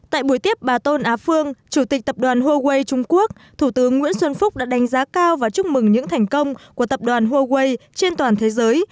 tại buổi tiếp bà tôn á phương chủ tịch tập đoàn huawei trung quốc thủ tướng nguyễn xuân phúc đã đánh giá cao và chúc mừng những thành công của tập đoàn huawei trên toàn thế giới